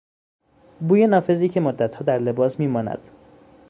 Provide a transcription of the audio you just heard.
بوی نافذی که مدتها در لباس میماند